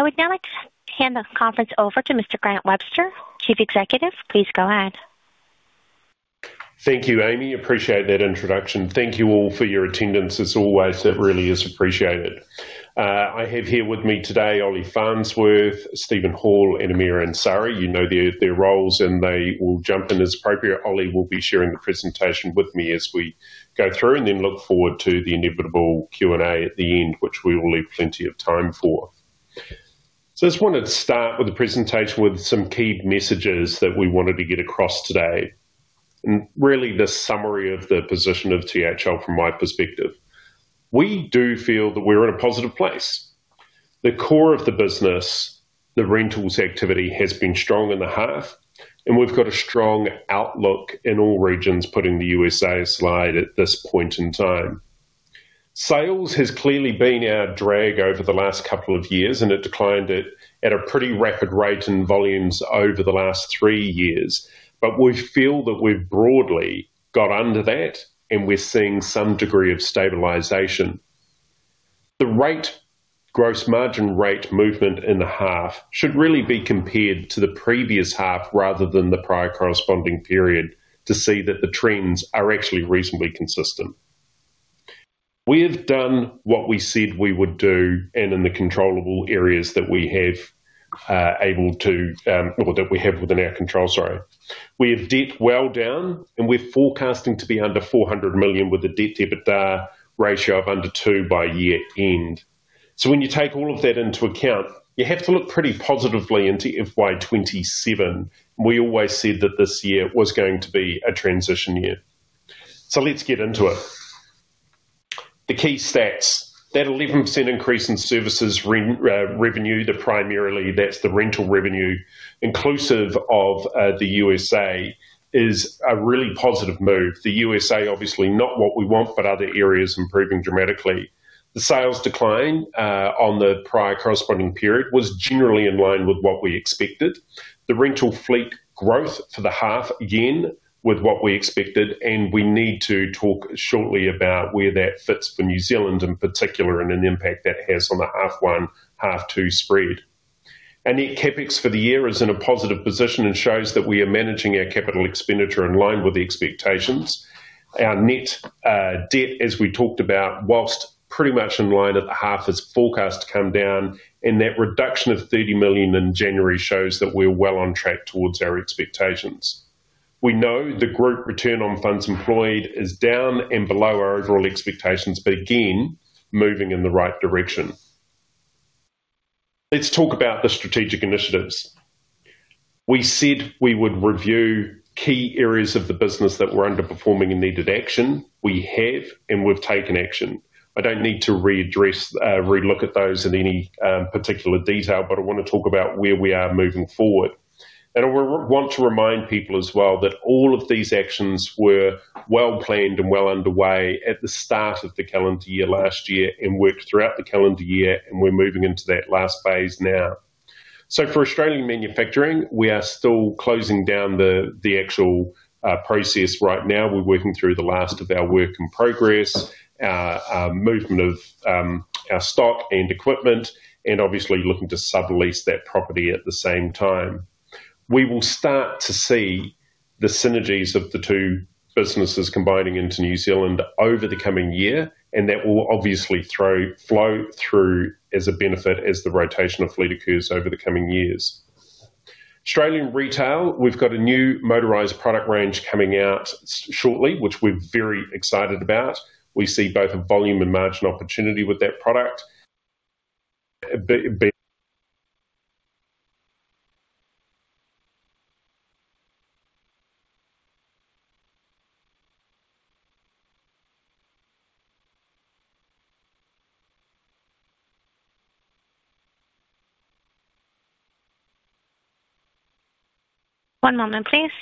I would now like to hand the conference over to Mr. Grant Webster, Chief Executive. Please go ahead. Thank you, Amy. Appreciate that introduction. Thank you all for your attendance. As always, it really is appreciated. I have here with me today Ollie Farnsworth, Steven Hall, and Amir Ansari. You know their, their roles, and they will jump in as appropriate. Ollie will be sharing the presentation with me as we go through, and then look forward to the inevitable Q&A at the end, which we will leave plenty of time for. I just wanted to start with the presentation with some key messages that we wanted to get across today, and really, the summary of the position of THL from my perspective. We do feel that we're in a positive place. The core of the business, the rentals activity, has been strong in the half, and we've got a strong outlook in all regions, putting the USA slide at this point in time. Sales has clearly been our drag over the last couple of years, and it declined at a pretty rapid rate in volumes over the last three years. We feel that we've broadly got under that, and we're seeing some degree of stabilization. The gross margin rate movement in the half should really be compared to the previous half rather than the prior corresponding period, to see that the trends are actually reasonably consistent. We have done what we said we would do and in the controllable areas that we have able to, or that we have within our control, sorry. We have debt well down, and we're forecasting to be under 400 million, with a debt-to-EBITDA ratio of under two by year-end. When you take all of that into account, you have to look pretty positively into FY 2027. We always said that this year was going to be a transition year. Let's get into it. The key stats. That 11% increase in services revenue, primarily that's the rental revenue, inclusive of the USA, is a really positive move. The USA obviously not what we want, but other areas improving dramatically. The sales decline on the prior corresponding period was generally in line with what we expected. The rental fleet growth for the half, again, with what we expected, and we need to talk shortly about where that fits for New Zealand in particular, and an impact that has on the half one, half two spread. Our net CapEx for the year is in a positive position and shows that we are managing our capital expenditure in line with the expectations. Our net debt, as we talked about, whilst pretty much in line at the half, is forecast to come down, and that reduction of 30 million in January shows that we're well on track towards our expectations. We know the group return on funds employed is down and below our overall expectations, but again, moving in the right direction. Let's talk about the strategic initiatives. We said we would review key areas of the business that were underperforming and needed action. We have, and we've taken action. I don't need to readdress, relook at those in any particular detail, but I wanna talk about where we are moving forward. I want to remind people as well, that all of these actions were well planned and well underway at the start of the calendar year last year and worked throughout the calendar year, and we're moving into that last phase now. For Australian manufacturing, we are still closing down the, the actual process right now. We're working through the last of our work in progress movement of our stock and equipment, and obviously looking to sublease that property at the same time. We will start to see the synergies of the two businesses combining into New Zealand over the coming year, and that will obviously flow through as a benefit as the rotation of fleet occurs over the coming years. Australian retail, we've got a new motorized product range coming out shortly, which we're very excited about. We see both volume and margin opportunity with that product. One moment, please.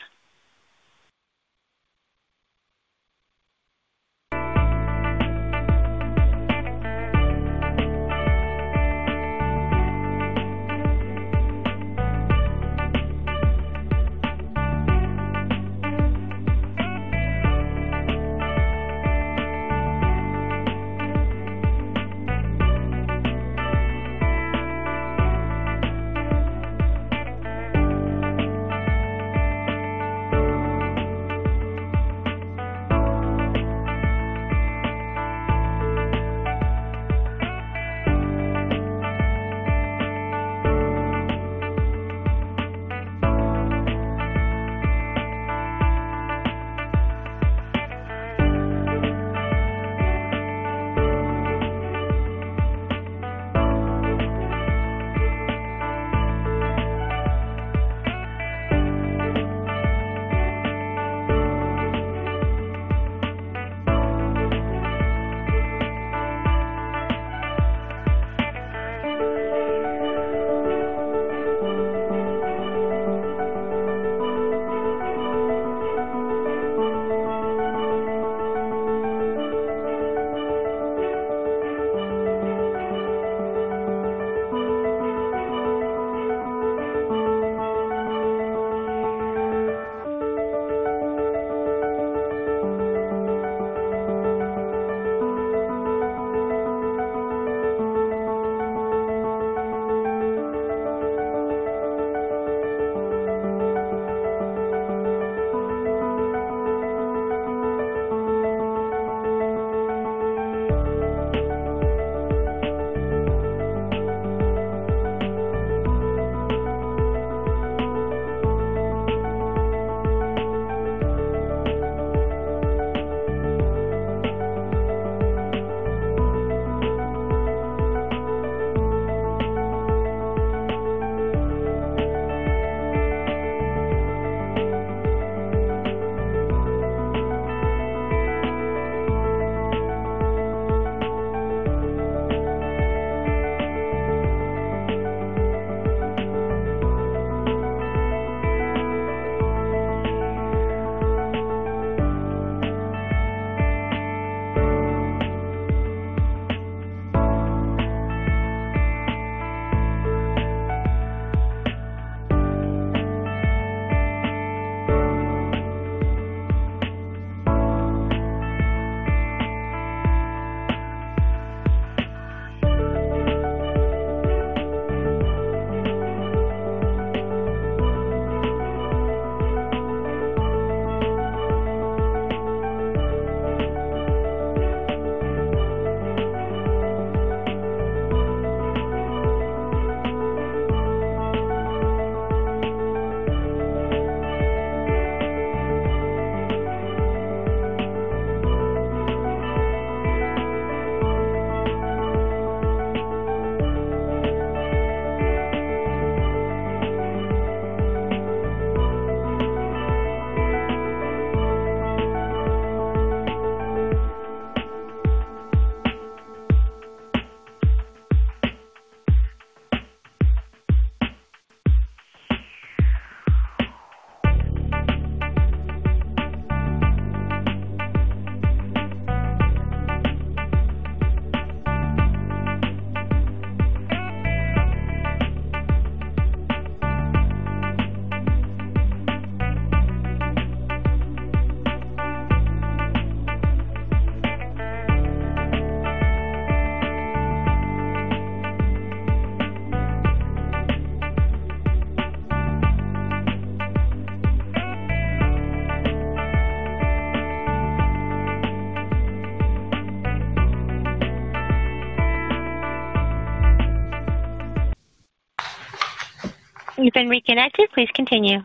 You've been reconnected. Please continue.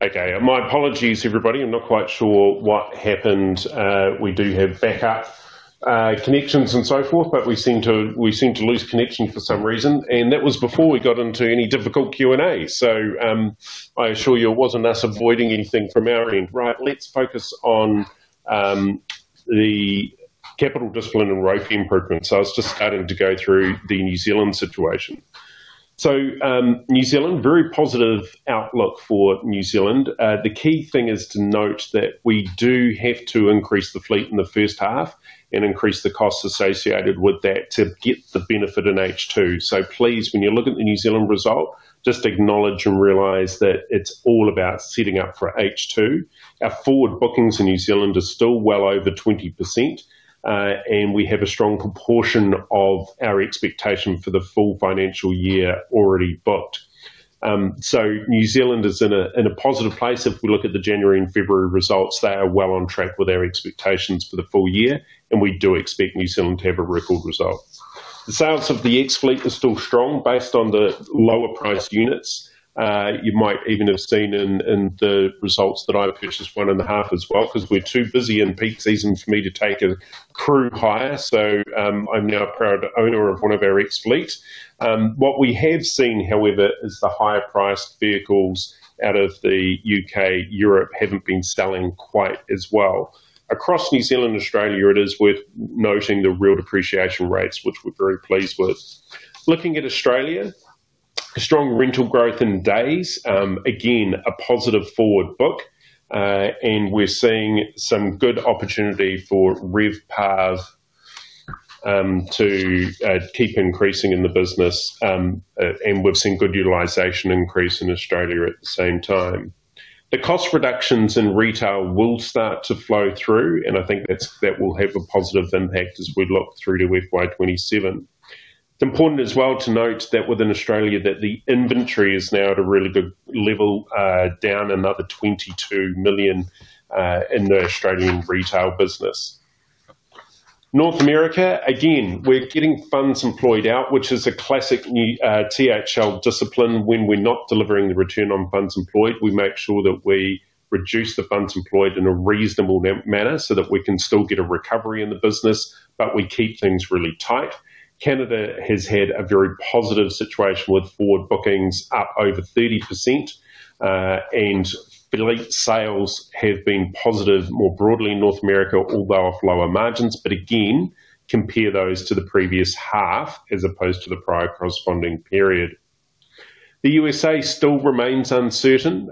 Okay. My apologies, everybody. I'm not quite sure what happened. We do have backup connections and so forth, we seem to, we seem to lose connection for some reason, and that was before we got into any difficult Q&A. I assure you, it wasn't us avoiding anything from our end. Right, let's focus on the capital discipline and ROIC improvement. I was just starting to go through the New Zealand situation. New Zealand, very positive outlook for New Zealand. The key thing is to note that we do have to increase the fleet in the first half and increase the costs associated with that to get the benefit in H2. Please, when you look at the New Zealand result, just acknowledge and realize that it's all about setting up for H2. Our forward bookings in New Zealand are still well over 20%. We have a strong proportion of our expectation for the full financial year already booked. New Zealand is in a positive place. If we look at the January and February results, they are well on track with our expectations for the full year. We do expect New Zealand to have a record result. The sales of the ex-fleet are still strong, based on the lower priced units. You might even have seen in the results that I've purchased one in the half as well, 'cause we're too busy in peak season for me to take a crew hire. I'm now a proud owner of one of our ex-fleet. What we have seen, however, is the higher priced vehicles out of the U.K., Europe, haven't been selling quite as well. Across New Zealand and Australia, it is worth noting the real depreciation rates, which we're very pleased with. Looking at Australia, strong rental growth in days, again, a positive forward book. We're seeing some good opportunity for RevPAR to keep increasing in the business. We've seen good utilization increase in Australia at the same time. The cost reductions in retail will start to flow through, and I think that's that will have a positive impact as we look through to FY 2027. It's important as well to note that within Australia, that the inventory is now at a really good level, down another NZ$22 million in the Australian retail business. North America, again, we're getting funds employed out, which is a classic THL discipline. When we're not delivering the return on funds employed, we make sure that we reduce the funds employed in a reasonable manner, so that we can still get a recovery in the business, but we keep things really tight. Canada has had a very positive situation, with forward bookings up over 30%, and fleet sales have been positive more broadly in North America, although off lower margins. Again, compare those to the previous half as opposed to the prior corresponding period. The USA still remains uncertain.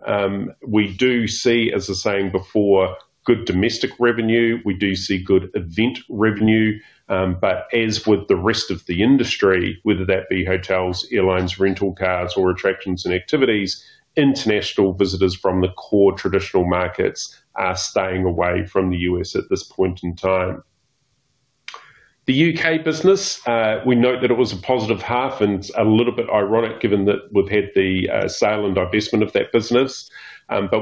We do see, as I was saying before, good domestic revenue. We do see good event revenue, but as with the rest of the industry, whether that be hotels, airlines, rental cars, or attractions and activities, international visitors from the core traditional markets are staying away from the USA at this point in time. The U.K. business, we note that it was a positive half, it's a little bit ironic, given that we've had the sale and divestment of that business.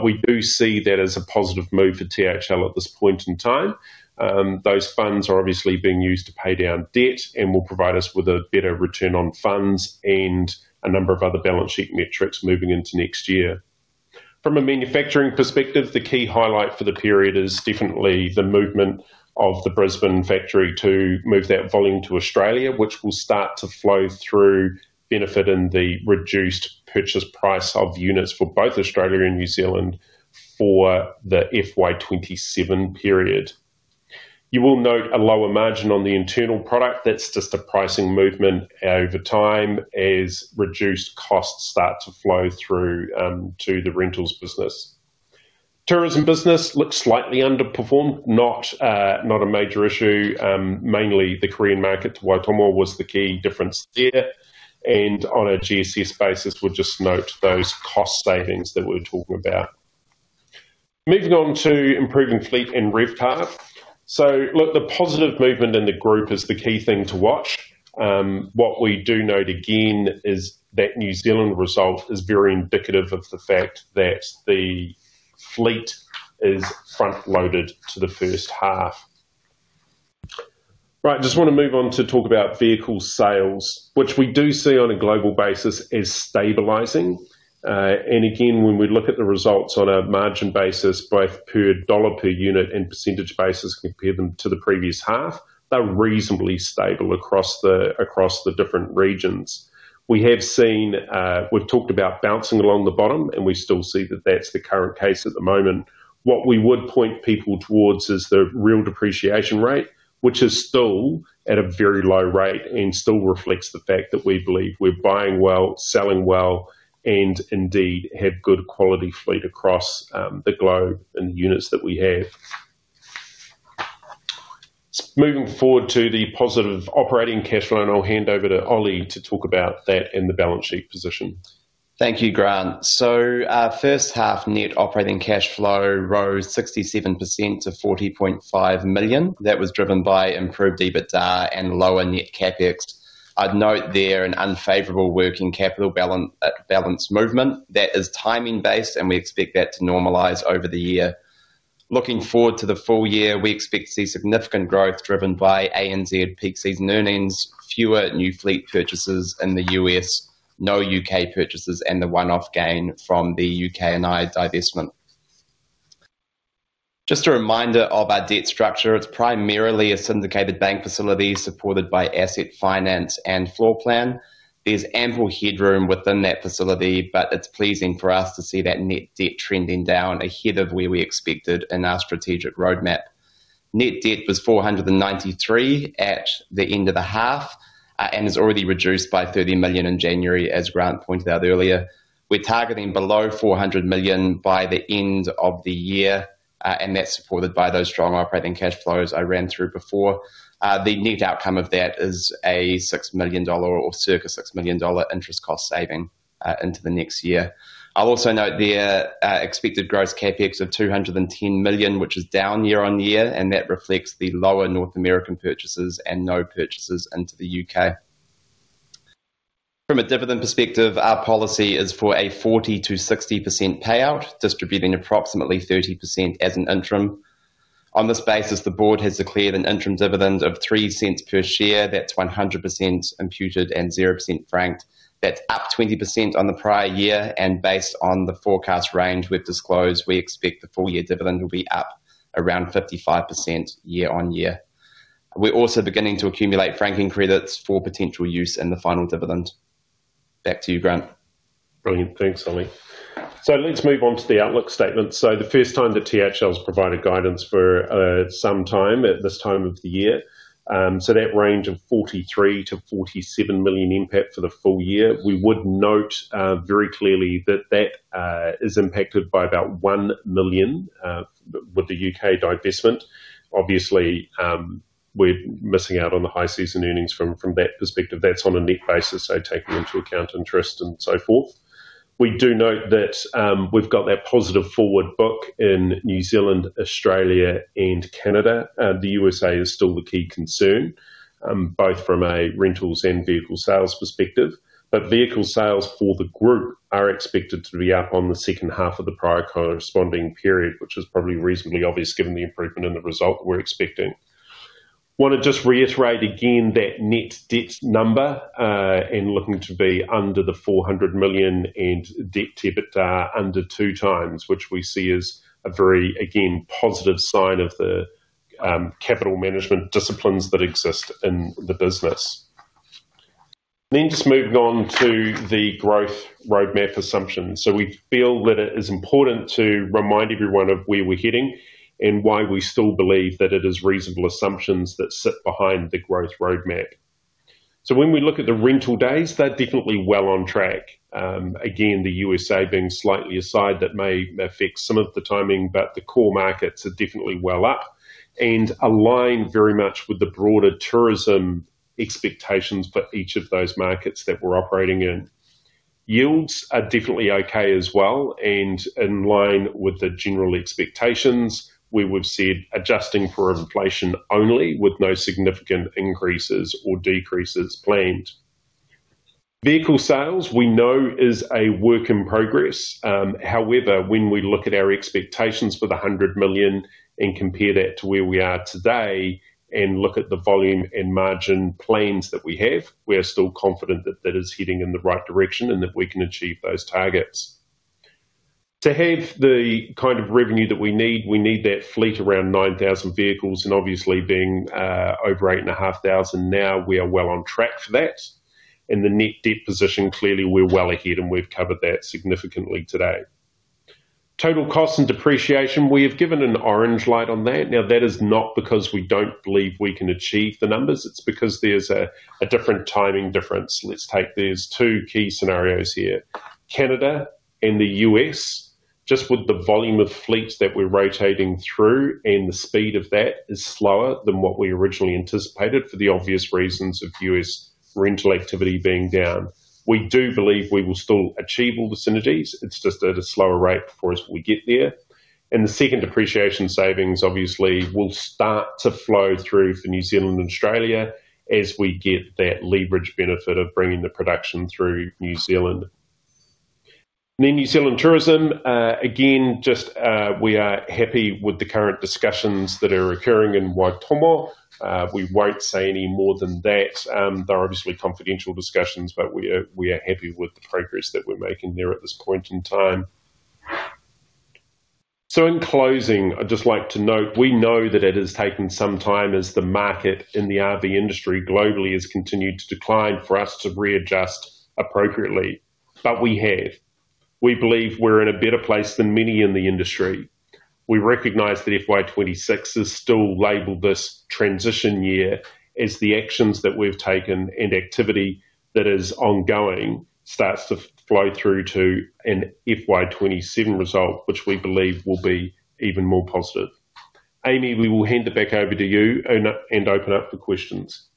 We do see that as a positive move for THL at this point in time. Those funds are obviously being used to pay down debt and will provide us with a better return on funds and a number of other balance sheet metrics moving into next year. From a manufacturing perspective, the key highlight for the period is definitely the movement of the Brisbane factory to move that volume to Australia, which will start to flow through benefit in the reduced purchase price of units for both Australia and New Zealand for the FY 2027 period. You will note a lower margin on the internal product. That's just a pricing movement over time, as reduced costs start to flow through to the rentals business. Tourism business looks slightly underperformed, not a major issue. Mainly the Korean market to Waitomo was the key difference there, and on a CCS basis, we'll just note those cost savings that we're talking about. Moving on to improving fleet and RevPAR. Look, the positive movement in the group is the key thing to watch. What we do note again is that New Zealand result is very indicative of the fact that the fleet is front-loaded to the first half. Right, I just want to move on to talk about vehicle sales, which we do see on a global basis as stabilizing. Again, when we look at the results on a margin basis, both per dollar per unit and percentage basis, compare them to the previous half, they're reasonably stable across the, across the different regions. We have seen... We've talked about bouncing along the bottom, and we still see that that's the current case at the moment. What we would point people towards is the real depreciation rate, which is still at a very low rate and still reflects the fact that we believe we're buying well, selling well, and indeed have good quality fleet across the globe and the units that we have. Moving forward to the positive operating cash flow, I'll hand over to Ollie to talk about that and the balance sheet position. Thank you, Grant. Our first half net operating cash flow rose 67% to 40.5 million. That was driven by improved EBITDA and lower net CapEx. I'd note there an unfavorable working capital balance, balance movement that is timing based, and we expect that to normalize over the year. Looking forward to the full year, we expect to see significant growth driven by ANZ peak season earnings, fewer new fleet purchases in the U.S., no U.K. purchases, and the one-off gain from the U.K. and Ireland divestment. Just a reminder of our debt structure. It's primarily a syndicated bank facility, supported by asset finance and floor plan. There's ample headroom within that facility, but it's pleasing for us to see that net debt trending down ahead of where we expected in our strategic roadmap. Net debt was 493 at the end of the half, and is already reduced by 30 million in January, as Grant Webster pointed out earlier. We're targeting below 400 million by the end of the year, and that's supported by those strong operating cash flows I ran through before. The net outcome of that is a 6 million dollar or circa 6 million dollar interest cost saving into the next year. I'll also note there, expected gross CapEx of 210 million, which is down year-over-year, and that reflects the lower North American purchases and no purchases into the U.K. From a dividend perspective, our policy is for a 40%-60% payout, distributing approximately 30% as an interim. On this basis, the board has declared an interim dividend of 0.03 per share. That's 100% imputed and 0% franked. That's up 20% on the prior year. Based on the forecast range we've disclosed, we expect the full-year dividend will be up around 55% year on year. We're also beginning to accumulate franking credits for potential use in the final dividend. Back to you, Grant. Brilliant. Thanks, Ollie. Let's move on to the outlook statement. The first time that THL has provided guidance for some time at this time of the year. That range of 43 million-47 million NPAT for the full year, we would note very clearly that that is impacted by about 1 million with the U.K. divestment. Obviously, we're missing out on the high-season earnings from, from that perspective. That's on a net basis, taking into account interest and so forth. We do note that we've got that positive forward book in New Zealand, Australia, and Canada. The USA is still the key concern, both from a rentals and vehicle sales perspective. Vehicle sales for the group are expected to be up on the second half of the prior corresponding period, which is probably reasonably obvious given the improvement in the result we're expecting. Want to just reiterate again that net debt number, and looking to be under 400 million and debt to EBITDA under 2x, which we see as a very, again, positive sign of the capital management disciplines that exist in the business. Just moving on to the growth roadmap assumptions. We feel that it is important to remind everyone of where we're heading and why we still believe that it is reasonable assumptions that sit behind the growth roadmap. When we look at the rental days, they're definitely well on track. Again, the USA being slightly aside, that may affect some of the timing. The core markets are definitely well up and aligned very much with the broader tourism expectations for each of those markets that we're operating in. Yields are definitely okay as well. In line with the general expectations, we would see it adjusting for inflation only, with no significant increases or decreases planned. Vehicle sales, we know, is a work in progress. However, when we look at our expectations for 100 million and compare that to where we are today and look at the volume and margin plans that we have, we are still confident that that is heading in the right direction and that we can achieve those targets. To have the kind of revenue that we need, we need that fleet around 9,000 vehicles and obviously being over 8,500 now, we are well on track for that. The net debt position, clearly we're well ahead, and we've covered that significantly today. Total cost and depreciation, we have given an orange light on that. Now, that is not because we don't believe we can achieve the numbers, it's because there's a different timing difference. Let's take these two key scenarios here. Canada and the U.S., just with the volume of fleet that we're rotating through, and the speed of that is slower than what we originally anticipated for the obvious reasons of U.S. rental activity being down. We do believe we will still achieve all the synergies. It's just at a slower rate before as we get there. The second depreciation savings, obviously, will start to flow through for New Zealand and Australia as we get that leverage benefit of bringing the production through New Zealand. New Zealand tourism, again, just, we are happy with the current discussions that are occurring in Waitomo. We won't say any more than that. They're obviously confidential discussions, but we are, we are happy with the progress that we're making there at this point in time. In closing, I'd just like to note, we know that it has taken some time as the market in the RV industry globally has continued to decline, for us to readjust appropriately, but we have. We believe we're in a better place than many in the industry. We recognize that FY 2026 is still labeled this transition year as the actions that we've taken and activity that is ongoing starts to flow through to an FY 2027 result, which we believe will be even more positive. Amy, we will hand it back over to you and open up for questions.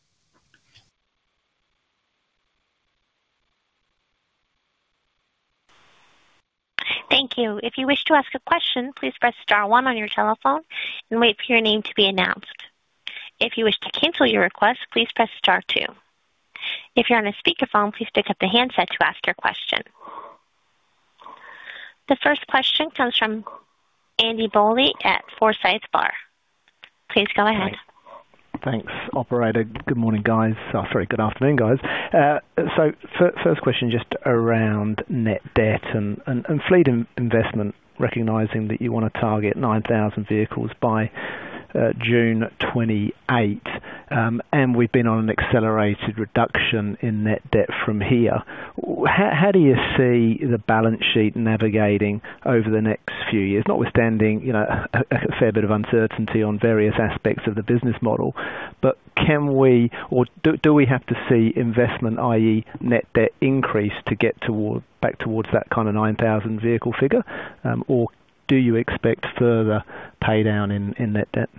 Thank you. If you wish to ask a question, please press star one on your telephone and wait for your name to be announced. If you wish to cancel your request, please press star two. If you're on a speakerphone, please pick up the handset to ask your question. The first question comes from Andy Bowley at Forsyth Barr. Please go ahead. Thanks, operator. Good morning, guys. Sorry, good afternoon, guys. First question, just around net debt and fleet investment, recognizing that you want to target 9,000 vehicles by June 2028, and we've been on an accelerated reduction in net debt from here. How, how do you see the balance sheet navigating over the next few years? Notwithstanding, you know, a fair bit of uncertainty on various aspects of the business model. Can we or do we have to see investment, i.e., net debt increase, to get toward, back towards that kind of 9,000 vehicle figure? Or do you expect further pay down in net debt?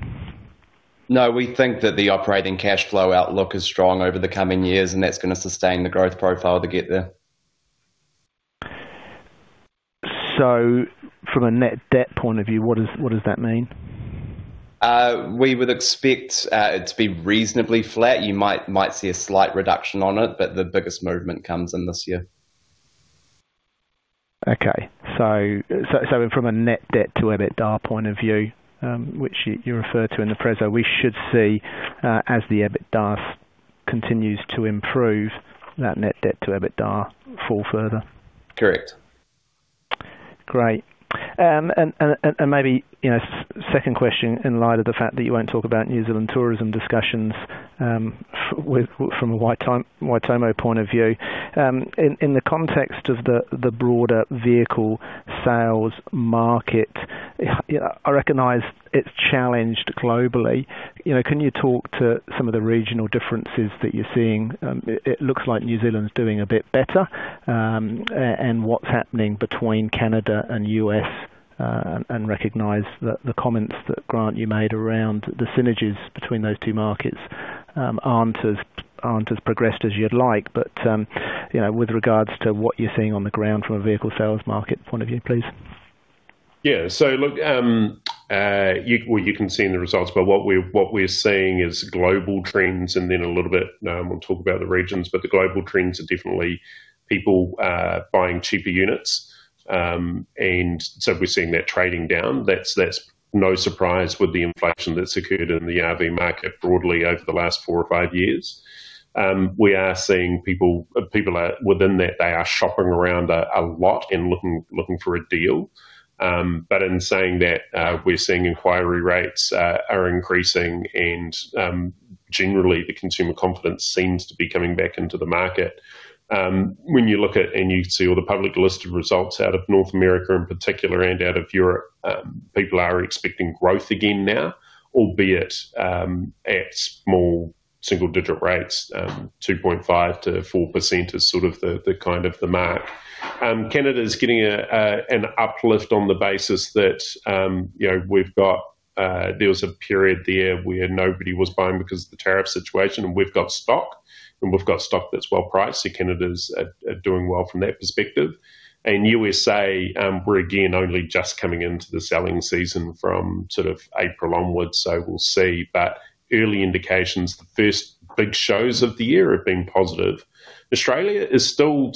No, we think that the operating cash flow outlook is strong over the coming years, and that's gonna sustain the growth profile to get there. From a net debt point of view, what does, what does that mean? We would expect, it to be reasonably flat. You might, might see a slight reduction on it, but the biggest movement comes in this year. Okay. From a net debt to EBITDA point of view, which you referred to in the preso, we should see, as the EBITDA continues to improve, that net debt to EBITDA fall further? Correct. Great. Maybe, you know, second question, in light of the fact that you won't talk about New Zealand tourism discussions, with, from a Waitomo point of view. In, in the context of the, the broader vehicle sales market, you know, I recognize it's challenged globally. You know, can you talk to some of the regional differences that you're seeing? It, it looks like New Zealand's doing a bit better. What's happening between Canada and U.S., recognize that the comments that, Grant, you made around the synergies between those two markets, aren't as, aren't as progressed as you'd like. You know, with regards to what you're seeing on the ground from a vehicle sales market point of view, please. Yeah. Look, you, well, you can see in the results, but what we're, what we're seeing is global trends and then a little bit, we'll talk about the regions, but the global trends are definitely people buying cheaper units. We're seeing that trading down. That's, that's no surprise with the inflation that's occurred in the RV market broadly over the last four or five years. We are seeing people within that, they are shopping around a lot and looking, looking for a deal. In saying that, we're seeing inquiry rates are increasing and, generally, the consumer confidence seems to be coming back into the market. When you look at and you see all the public listed results out of North America in particular and out of Europe, people are expecting growth again now, albeit at small single digit rates. 2.5%-4% is sort of the, the kind of the mark. Canada's getting a, a, an uplift on the basis that, you know, we've got There was a period there where nobody was buying because of the tariff situation, and we've got stock, and we've got stock that's well priced. Canada's at, at doing well from that perspective. USA, we're again, only just coming into the selling season from sort of April onwards, so we'll see. Early indications, the first big shows of the year have been positive. Australia is still...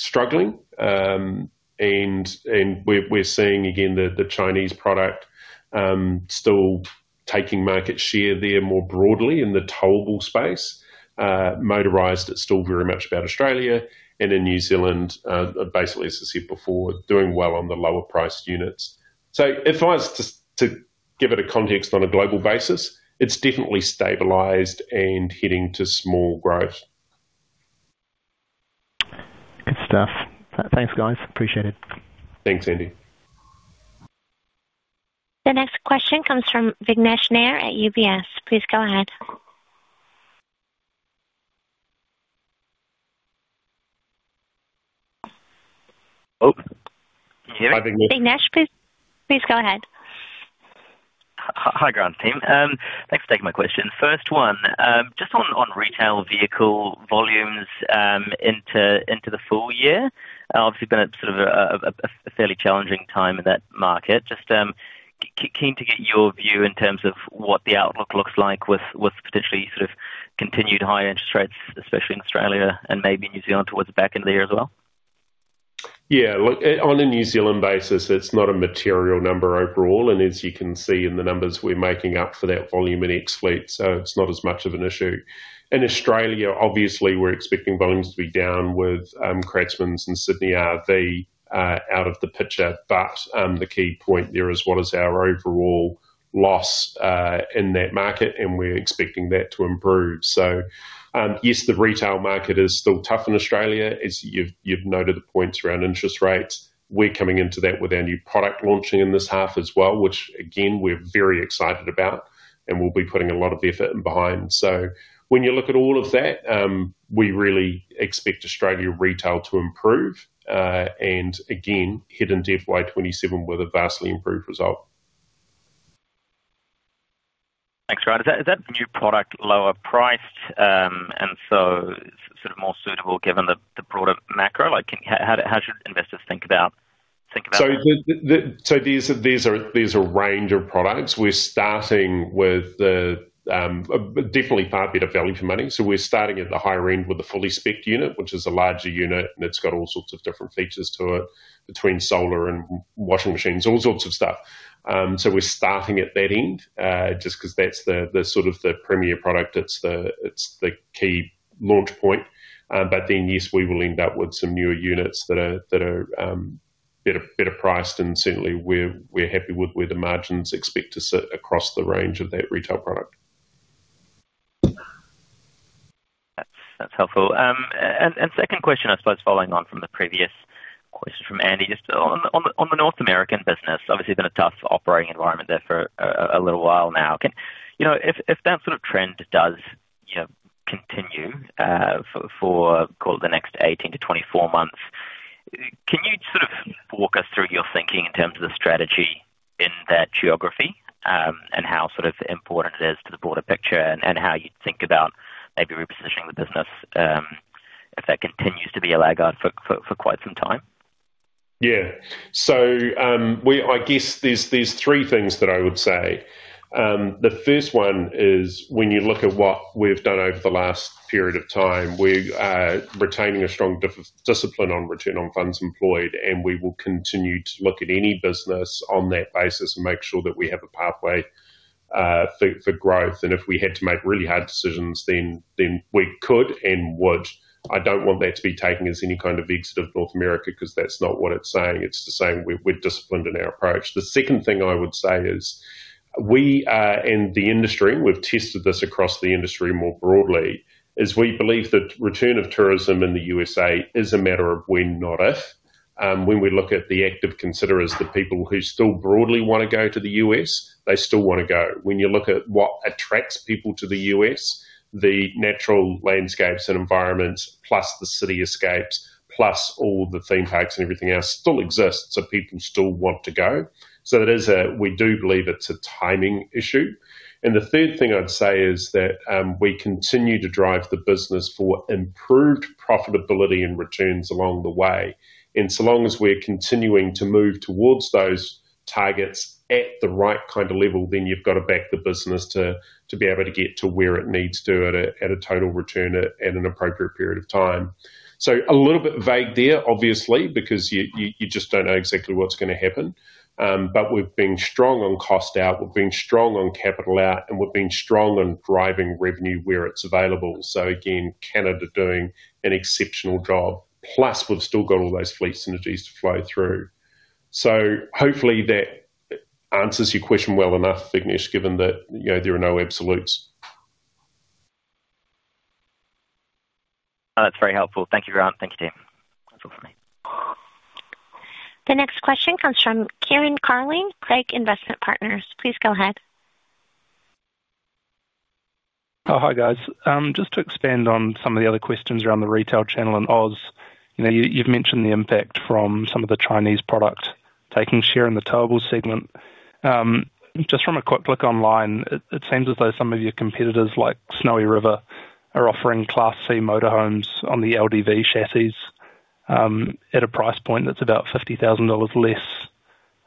struggling, and, and we're, we're seeing again the, the Chinese product, still taking market share there more broadly in the towable space. Motorized, it's still very much about Australia and in New Zealand, basically, as I said before, doing well on the lower priced units. If I was to, to give it a context on a global basis, it's definitely stabilized and heading to small growth. Good stuff. Thanks, guys. Appreciate it. Thanks, Andy. The next question comes from Vignesh Nair at UBS. Please go ahead. Oh, can you hear me? Vignesh, please, please go ahead. Hi, Grant team. Thanks for taking my question. First one, just on retail vehicle volumes into the full year. Obviously been a sort of a fairly challenging time in that market. Just keen to get your view in terms of what the outlook looks like with potentially sort of continued high interest rates, especially in Australia and maybe New Zealand towards the back end of the year as well. Yeah, look, on a New Zealand basis, it's not a material number overall, and as you can see in the numbers, we're making up for that volume in ex-fleet, so it's not as much of an issue. In Australia, obviously, we're expecting volumes to be down with Kratzmann's and Sydney RV out of the picture. The key point there is what is our overall loss in that market, and we're expecting that to improve. Yes, the retail market is still tough in Australia, as you've, you've noted the points around interest rates. We're coming into that with our new product launching in this half as well, which again, we're very excited about, and we'll be putting a lot of effort in behind. When you look at all of that, we really expect Australia retail to improve, and again, head into FY 2027 with a vastly improved result. Thanks, Grant. Is that, is that new product lower priced, and so sort of more suitable given the, the broader macro? Like, how, how should investors think about, think about that? There's a range of products. We're starting with the definitely far better value for money. We're starting at the higher end with the fully specced unit, which is a larger unit, and it's got all sorts of different features to it, between solar and washing machines, all sorts of stuff. We're starting at that end just 'cause that's the sort of the premier product. It's the key launch point. But then, yes, we will end up with some newer units that are better, better priced, and certainly we're, we're happy with where the margins expect to sit across the range of that retail product. That's, that's helpful. Second question, I suppose following on from the previous question from Andy, just on the North American business, obviously been a tough operating environment there for a little while now. You know, if that sort of trend does, you know, continue for, call it the next 18-24 months, can you sort of walk us through your thinking in terms of the strategy in that geography? And how sort of important it is to the broader picture, and how you think about maybe repositioning the business, if that continues to be a laggard for quite some time? Yeah. I guess there's three things that I would say. The first one is when you look at what we've done over the last period of time, we're retaining a strong discipline on return on funds employed, and we will continue to look at any business on that basis and make sure that we have a pathway for growth. If we had to make really hard decisions, then we could and would. I don't want that to be taken as any kind of exit of North America, 'cause that's now what it's saying. It's just saying we're disciplined in our approach. The second thing I would say is we, and the industry, we've tested this across the industry more broadly, is we believe that return of tourism in the USA is a matter of when, not if. When we look at the active considerers, the people who still broadly want to go to the U.S., they still want to go. When you look at what attracts people to the U.S., the natural landscapes and environments, plus the city escapes, plus all the theme parks and everything else still exists, so people still want to go. It is a, we do believe it's a timing issue. The third thing I'd say is that we continue to drive the business for improved profitability and returns along the way. So long as we're continuing to move towards those targets at the right kind of level, then you've got to back the business to, to be able to get to where it needs to at a, at a total return at, at an appropriate period of time. A little bit vague there, obviously, because you just don't know exactly what's gonna happen. But we've been strong on cost out, we've been strong on capital out, and we've been strong on driving revenue where it's available. Again, Canada doing an exceptional job. Plus, we've still got all those fleet synergies to flow through. Hopefully that answers your question well enough, Vignesh, given that, you know, there are no absolutes. Oh, that's very helpful. Thank you, Grant. Thank you, team. That's all for me. The next question comes from Kieran Carling, Craigs Investment Partners. Please go ahead. Oh, hi, guys. Just to expand on some of the other questions around the retail channel and Australia, you know, you, you've mentioned the impact from some of the Chinese product taking share in the towable segment. Just from a quick look online, it, it seems as though some of your competitors, like Snowy River, are offering Class C motorhomes on the LDV chassis at a price point that's about 50,000 dollars less,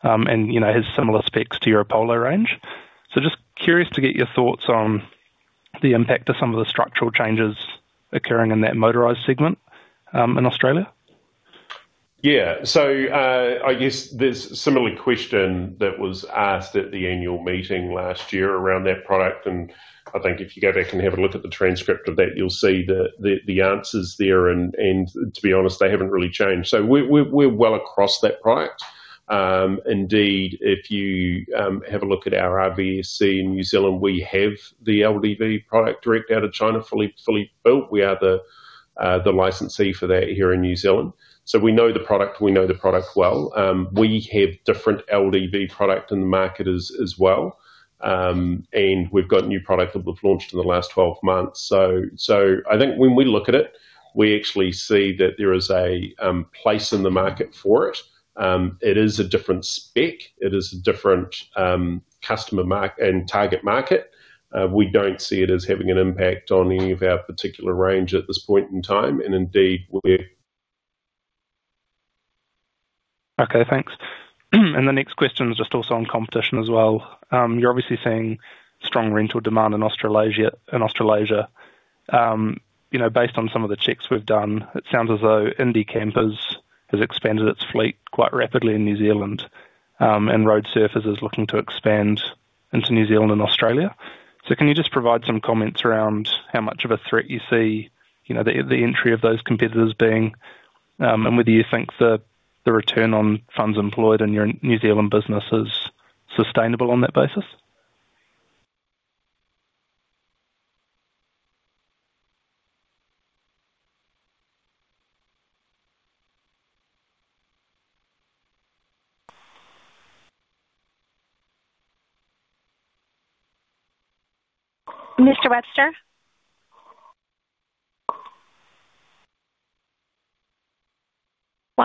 and, you know, has similar specs to your Apollo range. Just curious to get your thoughts on the impact of some of the structural changes occurring in that motorized segment in Australia. Yeah. I guess there's a similar question that was asked at the annual meeting last year around that product, and I think if you go back and have a look at the transcript of that, you'll see the, the, the answers there, and, and to be honest, they haven't really changed. We, we, we're well across that product. Indeed, if you have a look at our RVSC in New Zealand, we have the LDV product direct out of China, fully, fully built. We are the, the licensee for that here in New Zealand. We know the product. We know the product well. We have different LDV product in the market as, as well. We've got new product that we've launched in the last 12 months. I think when we look at it, we actually see that there is a place in the market for it. It is a different spec. It is a different customer mark and target market. We don't see it as having an impact on any of our particular range at this point in time, and indeed. Okay, thanks. The next question is just also on competition as well. You're obviously seeing strong rental demand in Australasia, in Australasia. You know, based on some of the checks we've done, it sounds as though Indie Campers has expanded its fleet quite rapidly in New Zealand, and roadsurfer is looking to expand into New Zealand and Australia. Can you just provide some comments around how much of a threat you see, you know, the, the entry of those competitors being, and whether you think the return on funds employed in your New Zealand business is sustainable on that basis? Mr. Webster?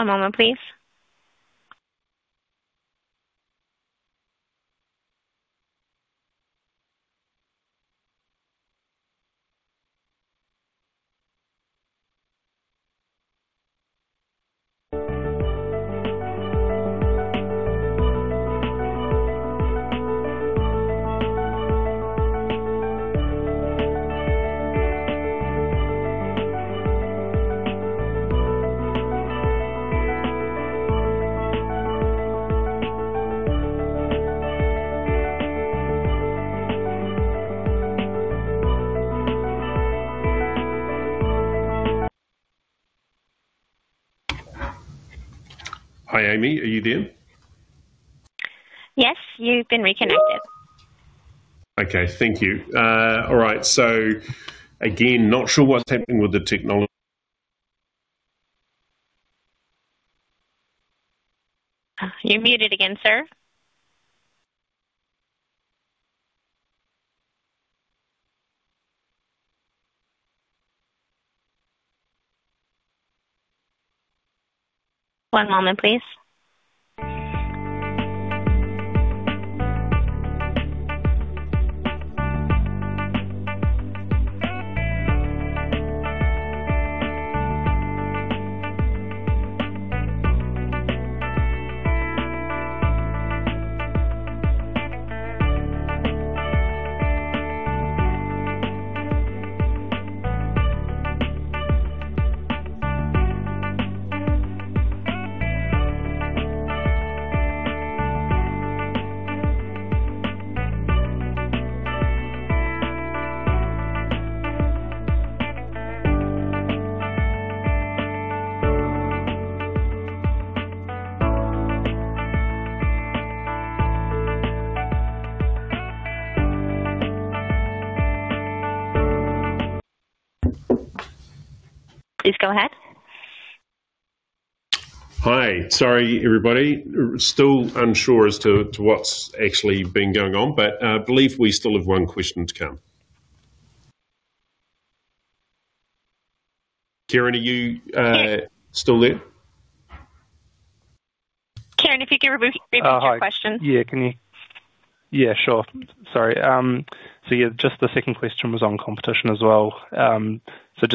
One moment, please. Hi, Amy, are you there? Yes, you've been reconnected. Okay, thank you. all right, so again, not sure what's happening with the technol- You're muted again, sir. One moment, please. Please go ahead. Hi. Sorry, everybody. Still unsure as to what's actually been going on. I believe we still have one question to come. Kieran, are you? Yes. Still there? Kieran, if you could repeat, repeat your question. Yeah, can you... Yeah, sure. Sorry. Just the second question was on competition as well.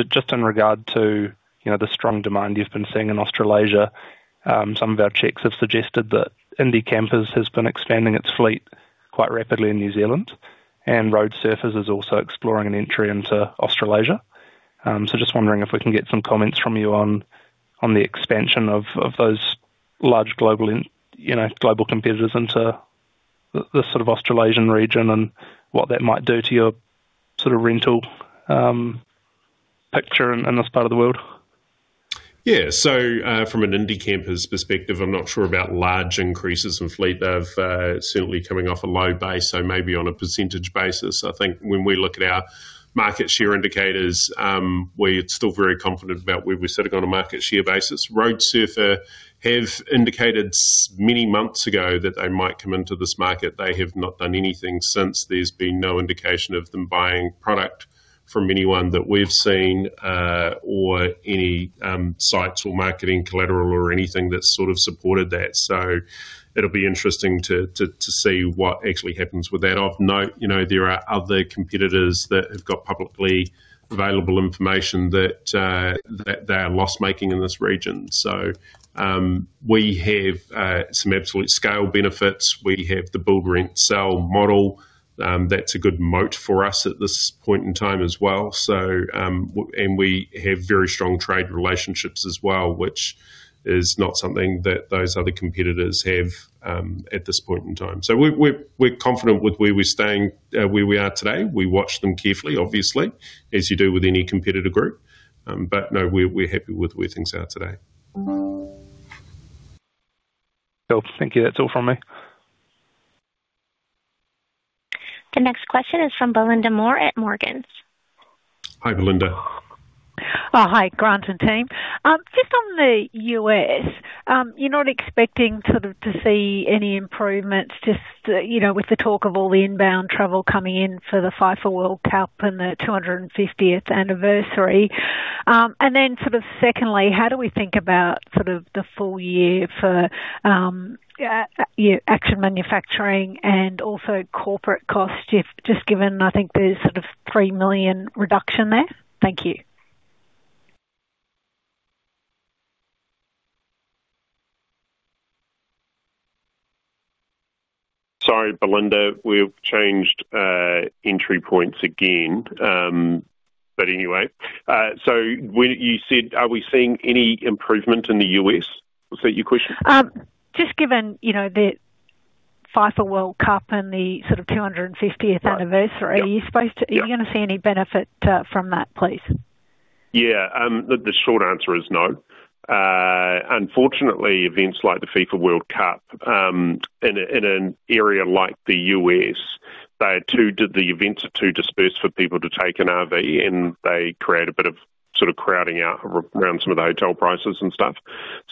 Just in regard to, you know, the strong demand you've been seeing in Australasia, some of our checks have suggested that Indie Campers has been expanding its fleet quite rapidly in New Zealand, and roadsurfer is also exploring an entry into Australasia. Just wondering if we can get some comments from you on, on the expansion of, of those large global and, you know, global competitors into the, the sort of Australasian region, and what that might do to your sort of rental picture in, in this part of the world. Yeah. From an Indie Campers perspective, I'm not sure about large increases in fleet. They've certainly coming off a low base, so maybe on a percentage basis. I think when we look at our market share indicators, we're still very confident about where we're sitting on a market share basis. Road Surfer have indicated many months ago that they might come into this market. They have not done anything since. There's been no indication of them buying product from anyone that we've seen, or any sites or marketing collateral or anything that sort of supported that. It'll be interesting to, to, to see what actually happens with that. I've note, you know, there are other competitors that have got publicly available information that they are loss-making in this region. We have some absolute scale benefits. We have the build, rent, sell model. That's a good moat for us at this point in time as well. And we have very strong trade relationships as well, which is not something that those other competitors have, at this point in time. We, we're, we're confident with where we're staying, where we are today. We watch them carefully, obviously, as you do with any competitor group. No, we're, we're happy with where things are today. Cool. Thank you. That's all from me. The next question is from Belinda Moore at Morgans. Hi, Belinda. Hi, Grant and team. Just on the U.S., you're not expecting sort of to see any improvements just, you know, with the talk of all the inbound travel coming in for the FIFA World Cup and the 250th anniversary? Then sort of secondly, how do we think about sort of the full year for your Action Manufacturing and also corporate costs, if just given, I think there's sort of 3 million reduction there. Thank you. Sorry, Belinda, we've changed entry points again. When you said, are we seeing any improvement in the U.S.? Was that your question? Just given, you know, the FIFA World Cup and the sort of 250th Anniversary. Right. Yep. are you supposed to- Yep. Are you gonna see any benefit from that, please? Yeah, the short answer is no. Unfortunately, events like the FIFA World Cup, in an area like the U.S., the events are too dispersed for people to take an RV, and they create a bit of sort of crowding out around some of the hotel prices and stuff.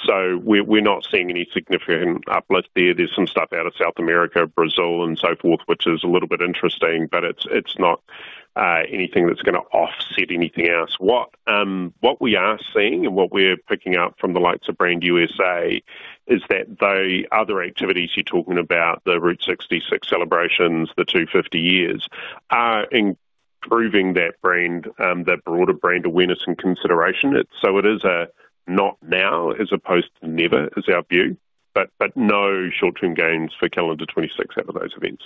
We're not seeing any significant uplift there. There's some stuff out of South America, Brazil, and so forth, which is a little bit interesting, but it's, it's not anything that's gonna offset anything else. What we are seeing and what we're picking up from the likes of Brand USA is that the other activities you're talking about, the Route 66 celebrations, the 250 years, are improving that brand, that broader brand awareness and consideration. It is a not now as opposed to never, is our view, but no short-term gains for calendar 2026 out of those events.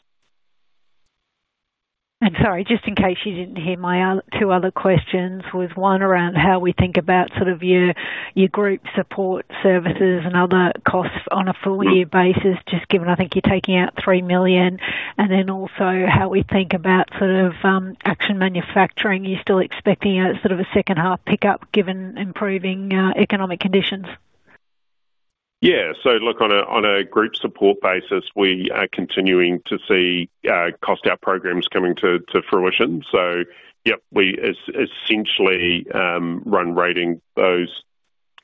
Sorry, just in case you didn't hear my two other questions was one around how we think about sort of your, your group support services and other costs on a full year basis, just given I think you're taking out 3 million. Then also, how we think about sort of Action Manufacturing, are you still expecting a sort of a second half pickup, given improving economic conditions? Yeah. Look, on a, on a group support basis, we are continuing to see, cost out programs coming to, to fruition. Yep, we essentially, run rating, those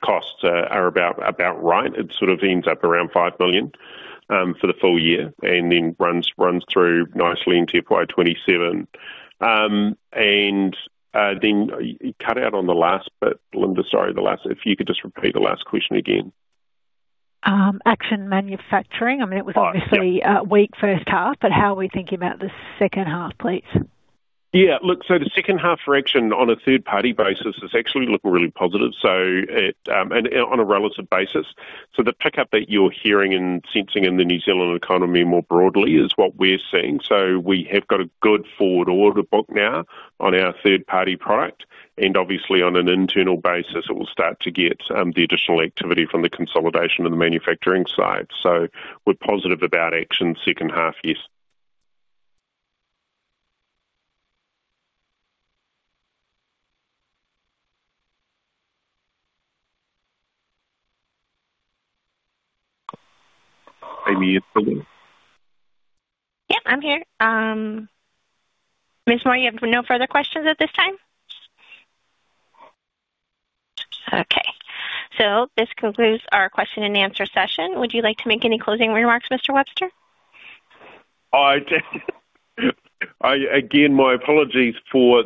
costs are, are about, about right. It sort of ends up around 5 million for the full year and then runs, runs through nicely into FY 2027. Then you cut out on the last bit, Linda, sorry, the last... If you could just repeat the last question again. Action Manufacturing. Oh, yep. I mean, it was obviously a weak first half, but how are we thinking about the second half, please? Yeah, look, the second half for Action on a third-party basis, it's actually looking really positive. It, and on a relative basis. The pickup that you're hearing and sensing in the New Zealand economy more broadly is what we're seeing. We have got a good forward order book now on our third-party product, and obviously, on an internal basis, it will start to get the additional activity from the consolidation of the manufacturing side. We're positive about Action's second half, yes. Amy, are you still there? Yep, I'm here. Ms. Moore, you have no further questions at this time? Okay, this concludes our question and answer session. Would you like to make any closing remarks, Mr. Webster?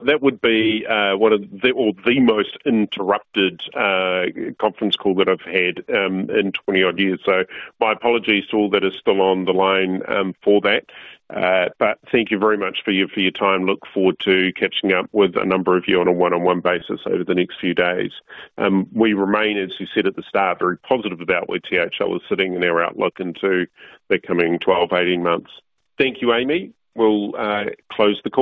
That would be one of the, or the most interrupted, conference call that I've had in 20-odd years. My apologies to all that is still on the line for that. Thank you very much for your, for your time. Look forward to catching up with a number of you on a one-on-one basis over the next few days. We remain, as we said at the start, very positive about where THL is sitting and our outlook into the coming 12-18 months. Thank you, Amy. We'll close the call.